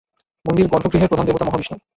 মন্দির-গর্ভগৃহের প্রধান দেবতা মহাবিষ্ণু।